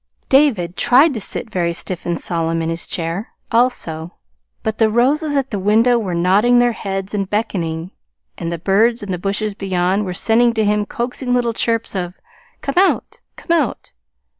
David tried to sit very stiff and solemn in his chair, also; but the roses at the window were nodding their heads and beckoning; and the birds in the bushes beyond were sending to him coaxing little chirps of "Come out, come out!"